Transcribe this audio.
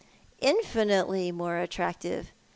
" Infinitely more attractive.